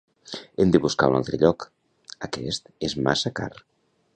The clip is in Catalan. Hem de buscar un altre lloc, aquest és massa car